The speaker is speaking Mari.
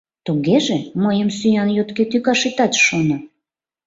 Тугеже, мыйым сӱан йотке тӱкаш итат шоно!